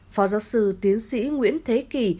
phó giáo sư tiến sĩ nguyễn thế kỳ